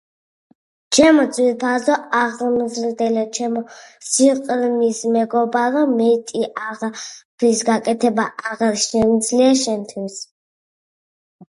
ჩემო ძვირფასო აღმზრდელო, ჩემო სიყრმის მეგობარო, მეტი აღარაფრის გაკეთება აღარ შემიძლია შენთვის;